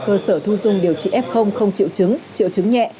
cơ sở thu dung điều trị f không chịu chứng chịu chứng nhẹ